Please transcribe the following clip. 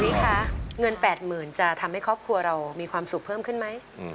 วิคค่ะเงินแปดหมื่นจะทำให้ครอบครัวเรามีความสุขเพิ่มขึ้นไหม